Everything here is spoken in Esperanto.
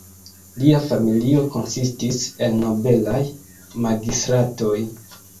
Lia familio konsistis el nobelaj magistratoj.